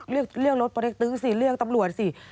เรียกรถพยาบาลสิเรียกตำรวจสิ